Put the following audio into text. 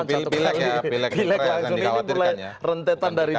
pilihan langsung ini mulai rentetan dari dua ribu delapan belas